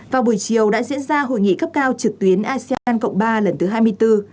vào buổi chiều đã diễn ra hội nghị cấp cao trực tuyến asean cộng ba lần thứ hai mươi bốn